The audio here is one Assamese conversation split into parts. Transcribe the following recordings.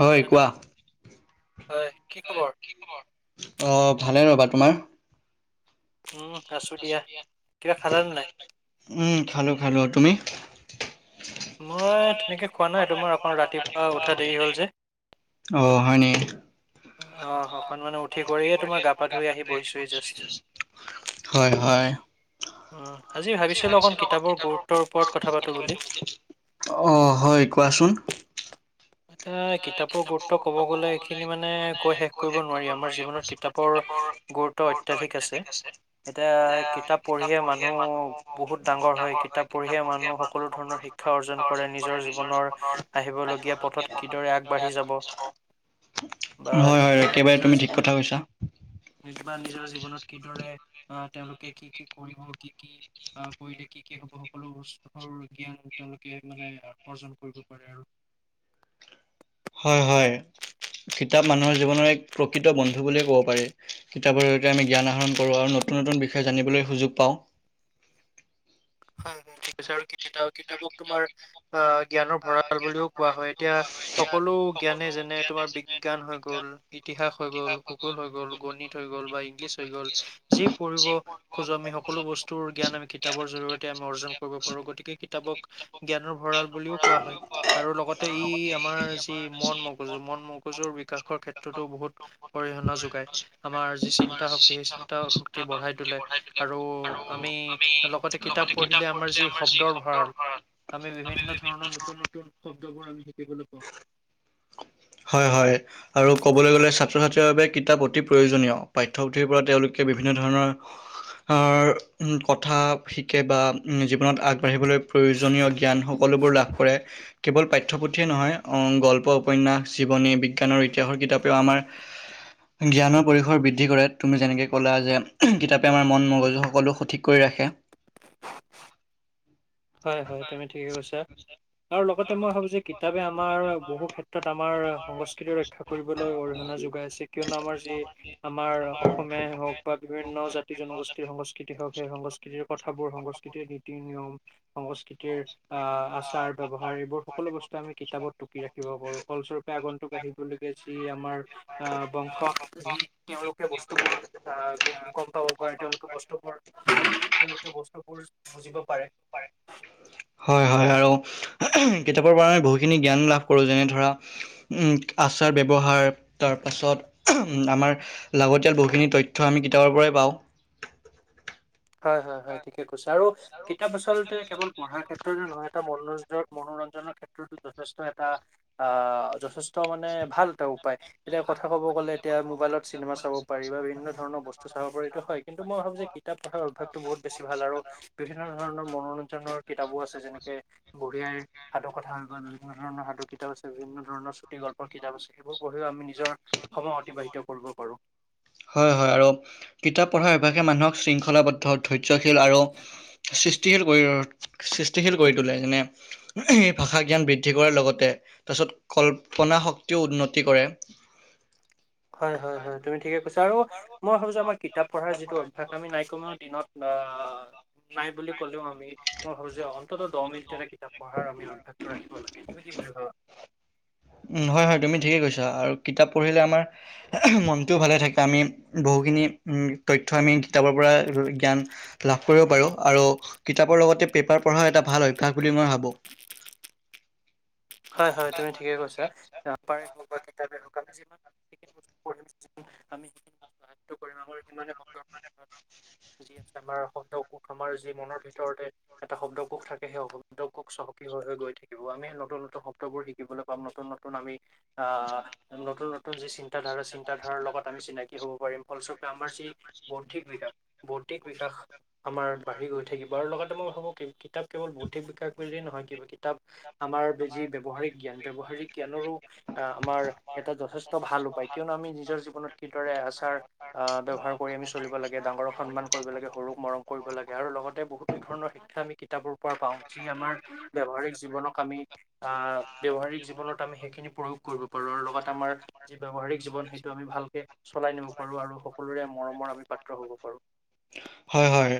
হয়, কোৱা। হয়, কি খবৰ? অ', ভালে ৰ'বা, তোমাৰ? উম, আছোঁ দিয়া, কিবা খালা নাই? উম, খালোঁ খালোঁ, তুমি? মই তেনেকে খোৱা নাই, তোমাৰ অকণ ৰাতিপুৱা উঠা দেৰি হ'ল যে। অ', হয়নি? অ', অ'। অকনমানে উঠি কৰিয়ে, তোমাৰ গা-পা ধুই আহি বহিছোঁহি জাষ্ট। অ', আজি ভাবিছিলোঁ অকণ কিতাপৰ গুৰুত্বৰ ওপৰত কথা পাতো বুলি। অ', হয়, কোৱাচোন। এতিয়া, কিতাপৰ গুৰুত্ব ক'ব গ'লে এইখিনি মানে কৈ শেষ কৰিব নোৱাৰি, আমাৰ জীৱনত কিতাপৰ গুৰুত্ব অত্যাধিক আছে। এতিয়া কিতাপ পঢ়িয়ে মানুহ বহুত ডাঙৰ হয়, কিতাপ পঢ়িয়ে মানুহ সকলো ধৰণৰ শিক্ষা শিক্ষা অৰ্জন কৰে নিজৰ জীৱনৰ আহিবলগীয়া পথত কিদৰে কিদৰে আগবাঢ়ি যাব, হয়, হয়, একেবাৰে তুমি ঠিক কথাই কৈছা। নিজ বা নিজৰ জীৱনত কিদৰে আহ, তেওঁলোকে কি কি কৰিব কি কি আহ, কৰিলে কি কি হ'ব সকলো বস সকলো জ্ঞান তেওঁলোকে মানে অৰ্জন কৰিব পাৰে আৰু। হয়, হয়। কিতাপ মানুহৰ জীৱনৰ এক প্ৰকৃত বন্ধু বুলিয়ে ক'ব পাৰি, কিতাপৰ জৰিয়তে আমি জ্ঞান আহৰণ কৰোঁ আৰু নতুন নতুন নতুন বিষয়ে জানিবলৈ সুযোগ পাওঁ। হয়, হয়‌, ঠিক কৈছা আৰু কি কিতা কিতাপক তোমাৰ আহ, জ্ঞানৰ ভঁৰাল বুলিও কোৱা হয় এতিয়া সকলো বিজ্ঞানে যেনে তোমাৰ বিজ্ঞান হৈ গ'ল, ইতিহাস হৈ গ'ল, ভূগোল হৈ গ'ল, গণিত হৈ গ'ল বা ইংলিছ হৈ গ'ল যি পঢ়িব খোজো আমি সকলো বস্তুৰ জ্ঞান আমি শিক্ষা কিতাপৰ জৰিয়তে আমি অৰ্জন কৰিব পাৰো, গতিকে কিতাপক জ্ঞানৰ ভঁৰাল বুলিও কোৱা হয়। আৰু লগতে ই আমাৰ যি মন মগজু মন মগজুৰ বিকাশৰ ক্ষেত্ৰতো বহুত অৰিহণা যোগাই আমাৰ যি চিন্তা শক্তি সেই চিন্তা শক্তি বঢ়াই তুলে। আৰু আমি লগতে কিতাপ পঢ়িলে আমাৰ যি শব্দৰ ভৰা ল আমি বিভিন্ন ধৰণৰ নতুন নতুন শব্দবোৰ আমি শিকিবলৈ পাওঁ। হয়, হয়। আৰু ক'বলৈ গ'লে ছাত্ৰ ছাত্ৰীৰ বাবে কিতাপ অতি প্ৰয়োজনীয় পাঠ্যপুথিৰ পৰা তেওঁলোকে বিভিন্ন ধৰণৰ কথা শিকে বা জীৱনত আগবাঢ়িবলৈ প্ৰয়োজনীয় জ্ঞান সকলোবোৰ লাভ কৰে কেৱল পাঠ্যপুথি পুথিয়েই নহয় গল্প, উপন্যাস, জীৱনী, বিজ্ঞান আৰু ইতিহাসৰ কিতাপেও আমাৰ জ্ঞানৰ পৰিসৰ বৃদ্ধি কৰে তুমি যেনেকে ক'লা যে কিতাপে আমাৰ মন মগজু সকলো সঠিক কৰি ৰাখে। হয়, হয়, তুমি ঠিকে কৈছা আৰু লগতে মই ভাবো যে কিতাপে আমাৰ বহু ক্ষেত্ৰ ত্ৰত আমাৰ সংস্কৃতি ৰক্ষা কৰিবলৈ অৰিহণা যোগাই আছে কিয়নো আমাৰ যি আমাৰ অসমীয়াই হওক। বা বিভিন্ন জাতি জনগোষ্ঠীৰ সংস্কৃতি হওক সেই সংস্কৃতিৰ কথাবোৰ সংস্কৃতিৰ নীতি নিয়ম। সংস্কৃতিৰ আহ, আচাৰ ব্যৱহাৰ এইবোৰ সকলো বস্তু আমি কিতাপত ঢুকি ৰাখিব পাৰো ফলস্বৰূপে আগন্তুক আহিব লগীয়া যি আমাৰ আহ, বংশক যি তেওঁলোকে বস্তুবোৰ আহ গ'ম পাব পাৰে, তেওঁলোকে বস্তুবোৰ তেওঁলোকে বস্তুবোৰ বুজিব পাৰে। হয়, হয়, আৰু কিতাপৰ পৰা আমি বহুখিনি জ্ঞান লাভ কৰোঁ যেনে ধৰা উম, আচাৰ-ব্যৱহাৰ তাৰ পাছত উ, আমাৰ লাগতিয়াল বহুখিনি তথ্য আমি কিতাপৰ পৰাই পাওঁ। হয়, হয়, হয়, ঠিকে কৈছে আৰু কিতাপ আচলতে কেৱল পঢ়াৰ ক্ষেত্ৰতে নহয় এটা মনোৰঞ্জন মনোৰঞ্জনৰ ক্ষেত্ৰত ক্ষেত্ৰতটো যথেষ্ট এটা আহ যথেষ্ট মানে ভাল এটা উপায় এতিয়া কথা ক'ব গ'লে। এতিয়া মোবাইলত চিনেমা চাব পাৰি বা বিভিন্ন ধৰণৰ বস্তু চাব পাৰি এইটো হয়, কিন্তু মই ভাবো যে কিতাপ ৰ অভ্যাসটো বহুত বেছি ভাল আৰু বিভিন্ন ধৰণৰ মনোৰঞ্জনৰ কিতাপো আছে যেনেকে বুঢ়ি আইৰ সাধু কথা হৈ গ'ল বিভিন্ন ধৰণৰ সাধু কিতাপ আছে, বিভিন্ন ধৰণৰ চুটি গল্পৰ কিতাপ আছে সেইবোৰ পঢ়িও আমি নিজৰ সময় অতিবাহিত কৰিব পাৰো। হয় হয় আৰু কিতাপ পঢ়াৰ অভ্যাসে মানুহক শৃংখলাবদ্ধ ধৈৰ্যশীল আৰু সৃষ্টিশীল কৰি, সৃষ্টিশীল কৰি তোলে যেনে ভাষা জ্ঞান বৃদ্ধি কৰাৰ লগতে তাৰ পিছত কল্পনা শক্তিও উন্নতি কৰে। হয়, হয়, হয় তুমি ঠিকে কৈছা আৰু মই ভাবিছো আমাৰ কি কিতাপ পঢ়াৰ যিটো অভ্যাস আমি নাই কমেও দিনত আ নাই বুলি ক'লেও আমি মই ভাবো যে অ অন্তত দহ মিনিট এটা কিতাপ পঢ়াৰ আমি অভ্যাসটো আমি ৰাখিব লাগে। তুমি কি বুলি‌ ভাবা? উম হয়, হয় তুমি ঠিকেই কৈছা আৰু কিতাপ পঢ়িলে আমাৰ মনটোও ভালে থাকে, আমি বহুখিনি তথ্য আমি কিতাপৰ পৰা জ্ঞান লাভ কৰিব পাৰো আৰু কিতাপৰ লগতে পেপাৰ পঢ়াও এটা ভাল অভ্যাস বুলি মই ভাবো। হয় হয় তুমি ঠিকেই কৈছা। পেপাৰেই হওক বা কিতাপেই হওক আমি যিমান সেইখিনি বস্ত পঢ়িম [unintelligible] সেইখিনি আয়ত্ত কৰিম আমাৰ সিমানে [inaudible] যি আছে আমাৰ শব্দকোষ আমাৰ যি মনৰ ভিতৰতে এটা শব্দকোষ থাকে সেই শব্দকোষ চহকী হৈ হৈ গৈ থাকিব আমি নতুন শব্দবোৰ শিকিবলৈ পাম। নতুন নতুন আমি আহ নতুন নতুন যি চিন্তাধাৰা চিন্তাধাৰাৰ লগত আমি চিনাকি হ'ব পাৰিম ফলস্বৰূপে আমাৰ যি বৌদ্ধিক বিকাশ, বৌদ্ধিক বিকাশ আমাৰ বাঢ়ি গৈ থাকিব আৰু লগতে মই ভাবো কি কিতাপ কেৱল বৌদ্ধিক বিকাশ বুলিয়েই নহয় কিতাপ কিতাপ আমাৰ যি ব্যৱহাৰিক জ্ঞান ব্যৱহাৰিক জ্ঞানৰো আহ আমাৰ এটা যথেষ্ট ভাল উপায়। কিয়নো আমি নিজৰ জীৱনত কিদৰে আচাৰ আহ ব্যৱহাৰ কৰি আমি চলিব লাগে, ডাঙৰক সন্মান কৰিব লাগে, সৰুক মৰম কৰিব লাগে আৰু লগতে বহুতো ধৰণৰ শিক্ষা শিক্ষা আমি কিতাপৰ পৰা পাওঁ যি আমাৰ ব্যৱহাৰিক জীৱনত আমি আহ ব্যৱহাৰিক জীৱনত আমি সেইখিনি প্ৰয়োগ কৰিব পাৰোঁ আৰু লগতে আমাৰ যি ব্যৱহাৰিক জীৱন সেইটো আমি ভালকে চলাই নিব পাৰো আৰু সকলোৰে মৰমৰ আমি পাত্ৰ হ'ব পাৰো। হয়, হয়,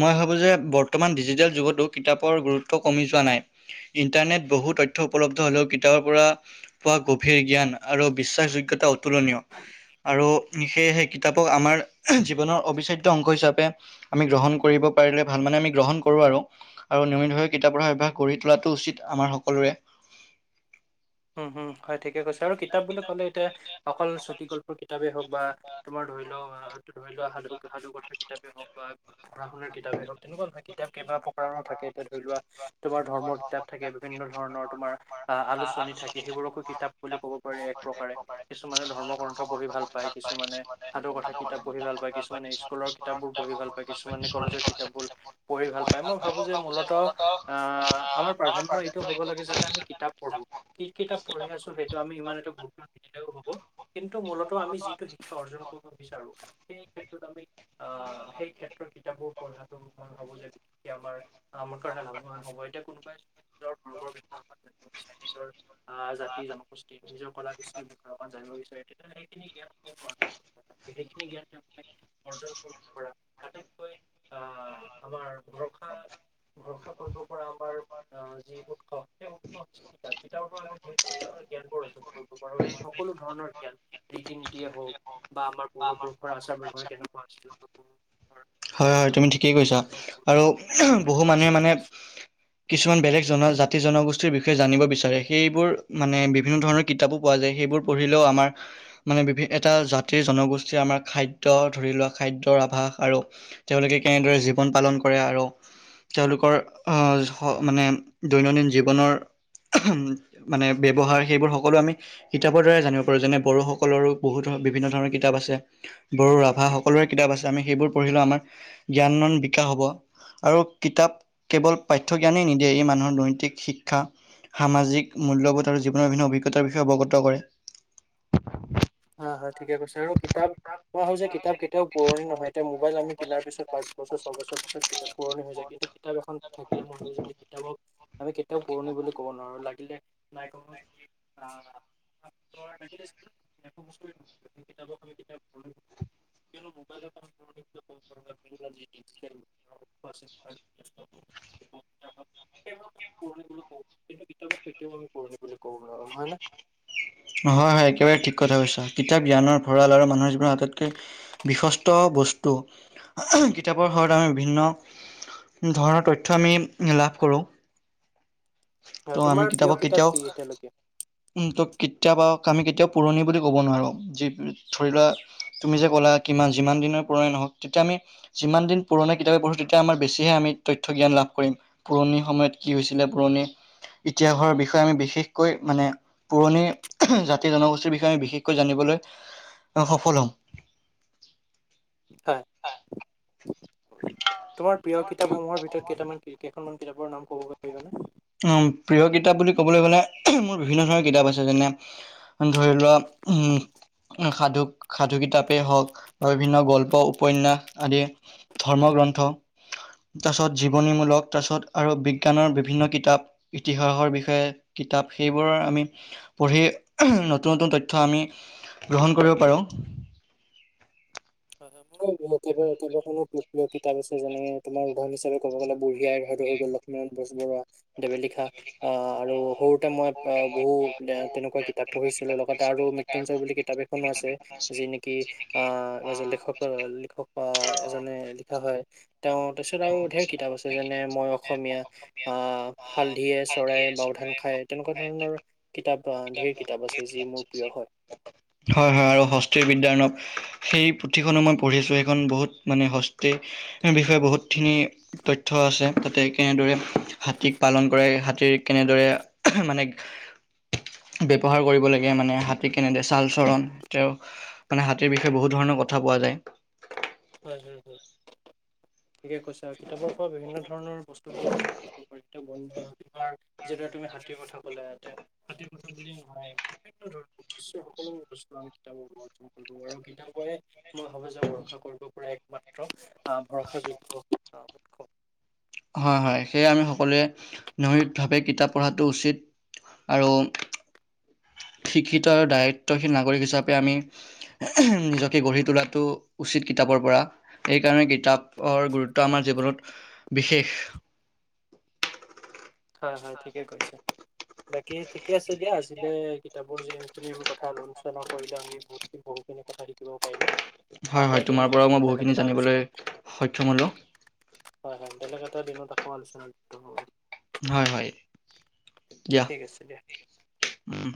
মই ভাবোঁ যে বৰ্তমান ডিজিটেল যুগতো কিতাপৰ গুৰুত্ব কমি যোৱা নাই। ইণ্টাৰনেট বহু তথ্য উপলব্ধ হ'লেও কিতাপৰ পৰা পোৱা গভীৰ জ্ঞান আৰু বিশ্বাসযোগ্যতা অতুলনীয় আৰু সেয়েহে কিতাপক আমাৰ জীৱনৰ অবিচ্ছেদ্য অংগ হিচাপে আমি গ্ৰহণ কৰিব পাৰিলে ভাল মানে আমি গ্ৰহণ কৰো আৰু। আৰু নিয়মিতভাৱে কিতাপ পঢ়া অভ্যাস গঢ়ি তোলাতো উচিত আমাৰ সকলোৰে উম হম, হয় ঠিকে কৈছে আৰু কিতাপ বুলি ক'লে এতিয়া অকল চুটিগল্পৰ কিতাপেই হওঁক বা তোমাৰ ধৰি লও আ, ধৰি লোৱা সাধু, সাধু কথাৰ কিতাপেই হওক বা পঢ়া শুনাৰ কিতাপেই হওক তেনেকুৱা নহয় কিতাপ কেইবা ধৰণৰ থাকে। এতিয়া ধৰি লোৱা তোমাৰ ধৰ্মৰ কিতাপ থাকে বিভিন্ন ধৰণৰ তোমাৰ আহ, আলোচনী বোৰকো কিতাপ বুলি ক'ব পাৰি এক প্ৰকাৰে। কিছুমানে ধৰ্ম গ্ৰন্থ পঢ়ি ভাল পায়, কিছুমানে সাধু কথা কিতাপ পঢ়ি ভাল পায়। কিছুমানে স্কুলৰ কিতাপবোৰ পঢ়ি ভাল পায়, কিছুমানে কলেজৰ কিতাপবোৰ পঢ়ি ভাল পায়, মই ভাবো যে মূলত আহ, আমাৰ প্ৰাধান্য এইটো হ'ব লাগে যে আমি কিতাপ পঢ়োঁ। কি কিতাপ পঢ়ি আছো সেইটো আমি ইমান এটা গুৰুত্ব নিদিলেও হ'ব। কিন্তু মূলত আমি যিটো শিক্ষা অৰ্জন কৰিব বিচাৰো, সেই ক্ষেত্ৰত আমি আহ, সেই ক্ষেত্ৰত কিতাপবোৰ পঢ়াটো মই ভাবো যে বিশেষকে আমাৰ আমাৰ কাৰণে লাভৱান হ'ব, এতিয়া কোনোবাই নিজৰ ধৰ্মৰ [inaudible] নিজৰ আহ, জাতি-জনগোষ্ঠী, নিজৰ কলা কৃষ্টিৰ বিষয়ে অকণ জানিব বিচাৰে, তেতিয়াহলে সেইখিনি জ্ঞান [inaudible] সেইখিনি জ্ঞান তেওঁ মানে অৰ্জন কৰিব পৰা [inaudible] অহ, আমাৰ ভৰষা-ভৰসা কৰিব পৰা আমাৰ আহ যি উৎস, সেই উৎস [unintelligible] কিতাপৰ পৰা আমি বিভিন্ন ধৰণৰ জ্ঞানবোৰ অৰ্জন কৰিব পাৰোঁ, এই সকলো ধৰণৰ জ্ঞান ৰীতি নীতিয়েই হওক বা আমাৰ পূৰ্বপুৰুষৰ আচাৰ ব্যৱহাৰ কেনেকুৱা আছিল [inaudible] হয় হয়, তুমি ঠিকেই কৈছা আৰু বহু মানুহে মানে কিছুমান বেলেগ জনজাতি, জাতি জনগোষ্ঠীৰ বিষয়ে জানিব বিচাৰে, সেইবোৰ মানে বিভিন্ন ধৰণৰ কিতাপো পোৱা যায়, সেইবোৰ পঢ়িলেও আমাৰ মানে বিভি, এটা জাতিৰ জনগোষ্ঠীৰ আমাৰ খাদ্য, ধৰি লোৱা, খাদ্যৰ আভাস আৰু তেওঁলোকে কেনেদৰে জীৱন পালন কৰে, আৰু তেওঁলোকৰ আঁহ, মানে দৈনন্দিন জীৱনৰ মানে ব্যৱহাৰ, সেইবোৰ সকলো আমি কিতাপৰ দ্বাৰায়েই জানিব পাৰো, যেনে বড়োসকলৰো বহুধৰ, বিভিন্ন ধৰণৰ কিতাপ আছে। বড়ো, ৰাভা, সকলোৰে কিতাপ আছে, আমি সেইবোৰ পঢ়িলেও আমাৰ জ্ঞান বিকাশ হ'ব। আৰু কিতাপ কেৱল পাঠ্য জ্ঞানেই নিদিয়ে, ই মানুহৰ নৈতিক শিক্ষা সামাজিক মূল্যবোধ আৰু জীৱনৰ বিভিন্ন অভিজ্ঞতাৰ বিষয়ে অৱগত কৰে। অ', হয় ঠিকেই কৈছা আৰু কিতাপ কোৱা হয় যে কিতাপ কেতিয়াও পুৰণি নহয়, এতিয়া মোবাইল আমি কিনাৰ পিছত পাঁছৰ ছবছৰ পিছত কিতাপ পুৰণি হৈ যায়, কিন্তু কিতাপ এখন থাকিলে মই ভাবো যে, সেই কিতাপক আমি কেতিয়াও পুৰণি বুলি ক'ব নোৱা আৰু লাগিলে নাই কমেও যদি আ [unintelligible] সেইটো বস্তু কিতাপক আমি কেতিয়াও পুৰণি নকওঁ, কিয়নো মোবাইলত আমাৰ [unintelligible] [inaudible] [inaudible] কিন্তু পঢ়ো, কিন্তু কিতাপক কেতিয়াও আমি পুৰণি বুলি ক'ব নোৱাৰো, নহয়নে? হয় হয়, একেবাৰে ঠিক কথা কৈছা, কিতাপ জ্ঞানৰ ভঁৰাল আৰু মানুহৰ জীৱনৰ আটাইতকৈ বিশ্বস্ত বস্তু, কিতাপৰ সহায়ত আমি বিভিন্ন ধৰনৰ তথ্য আমি লাভ কৰো। ত' আমি কিতাপক কেতিয়াও এতিয়ালৈকে। উম, ত' কিতাপক আমি কেতিয়াও পুৰণি বুলি ক'ব নোৱাৰো। যি ধৰি লোৱা, তুমি যে ক'লা কিমান? যিমান দিনৰ পুৰণি নহওক, তেতিয়া আমি যিমান দিন পুৰণা কিতাপে পঢ়ো, তেতিয়া আমাৰ বেছিহে আমি তথ্য জ্ঞান লাভ কৰিম। পুৰণি সময়ত কি হৈছিলে? পুৰণি, ইতিহাসৰ বিষয়ে আমি বিশেষকৈ মানে পুৰণি জাতি জনগোষ্ঠীৰ বিষয়ে আমি বিশেষকৈ জানিবলৈ সফল হম। হয়, তোমাৰ প্ৰিয় কিতাপসমূহৰ ভিতৰত কেইটামান কি কেইখনমান কিতাপৰ নাম ক'ব পাৰিবানে? উম, প্ৰিয় কিতাপ বুলি ক'বলৈ গ'লে, মোৰ বিভিন্ন ধৰণৰ কিতাপ আছে যেনে ধৰি লোৱা, হম। সাধু, সাধু কিতাপেই হওক, বা বিভিন্ন গল্প, উপন্যাস আদি। ধৰ্মগ্ৰন্থ, তাৰপিছত জীৱনীমূলক, তাৰপিছত আৰু বিজ্ঞানৰ বিভিন্ন কিতাপ, ইতিহাসৰ বিষয়ে কিতাপ, সেইবোৰৰ আমি পঢ়ি নতুন নতুন তথ্য আমি গ্ৰহণ কৰিব পাৰো। হয় হয়, মোৰ বহুত একেবাৰে কেইবাখনো প্ৰি প্ৰিয় কিতাপ আছে যেনে, তোমাৰ উদাহৰণহিচাপে ক'ব গ'লে, বুঢ়ীআইৰ সাধু হৈ গ'ল লক্ষ্মীনাথ বেজবৰুৱা দেৱে লিখা আহ আৰু সৰুতে মই বহু এ তেনেকুৱা কিতাপ পঢ়িছিলো লগতে আৰু মৃ মৃতুঞ্জয় বুলি কিতাপ এখনও আছে যি নেকি আ মাজত লেখকৰ লিখক বা এজনে লিখা হয় তেওঁ তাৰছত আৰু ঢেৰ কিতাপ আছে যেনে মই অসমীয়া আহ হালধিয়ে চৰাই বাও ধান খায় তেনেকুৱা ধৰণৰ কিতাপ আ ঢেৰ কিতাপ আছে যি মোৰ প্ৰিয় হয়? হয় হয় আৰু হস্তীৰ বিদ্যাৰ্ণব। সেই পুথিখনো মই পঢ়িছোঁ সেইখন বহুত মানে হস্তিৰ বিষয়ে বহুতখিনি তথ্য আছে তাতে কেনেদৰে হাতীক পালন কৰে হাতীৰ কেনেদৰে মানে ব্যৱহাৰ কৰিব লাগে মানে হাতী কেনেদৰে ছাল চৰণ তেওঁ মানে হাতীৰ বিষয়ে বহুত ধৰণৰ কথা পোৱা যায়। হয়-হয়-হয় ঠিকে কৈছা আৰু কিতাপৰ পৰা বিভিন্ন ধৰণৰ বস্তু পোৱা যায় তথ্য যিদৰে তুমি হাতীৰ কথা ক'লা ইতে হাতীৰ কথা বুলি নহয় বিভিন্ন ধৰণৰ বিশ্বৰ সকলো অনুষ্ঠান আমি কিতাপৰ পৰা অৰ্জন কৰিব পাৰো আৰু কিতাপৰে মই ভাবো যে ভৰষা কৰিব পৰা একমাত্ৰ আহ ভৰষাযোগ্য অ উৎসৱ হয় হয় সেয়ে আমি সকলোৱে দৈনিকভাৱে কিতাপ পঢ়াটো উচিত। আৰু শিক্ষিত আৰু দায়িত্বশীল নাগৰিক হিচাপে আমি নিজকে গঢ়ি তোলাতো উচিত কিতাপৰ পৰা সেইকাৰণে কিতাপ পৰ গুৰুত্ব আমাৰ জীৱনত বিশেষ হয় হয় ঠিকেই কৈছা। বাকী ঠিকে আছে দিয়া আজিলে কিতাপৰ যি খিনি কথা আলোচনা কৰিলো আমি বহুত খিনি বহুত সিখিনি কথা শিকিব পাৰিলোঁ। হয় হয় তোমাৰ পৰাওঁ মই বহুখিনি জানিবলৈ সক্ষম হ'লো। হয় হয় বেলেগ এটা দিনত আকৌ আলোচনাত লিপ্ত হ'ম। হয় হয় দিয়া উম।